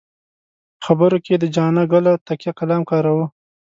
په خبرو کې یې د جانه ګله تکیه کلام کاراوه.